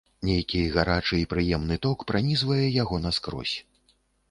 Нейкі гарачы і прыемны ток пранізвае яго наскрозь.